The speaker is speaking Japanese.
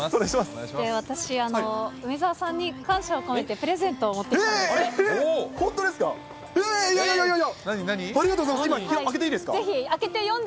私、梅澤さんに感謝を込めて、プレゼントを持ってきたんで。